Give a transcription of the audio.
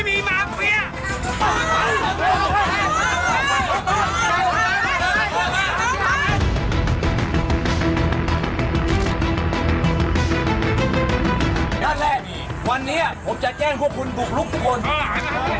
ด้านแรกนี่วันนี้ผมจะแจ้งพวกคุณบุกลุกทุกคน